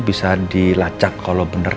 bisa dilacak kalo bener